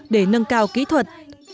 để nâng cao kỹ thuật